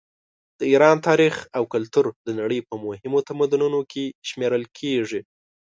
د ایران تاریخ او کلتور د نړۍ په مهمو تمدنونو کې شمېرل کیږي.